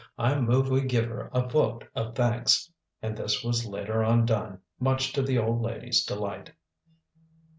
"I move we give her a vote of thanks." And this was later on done, much to the old lady's delight.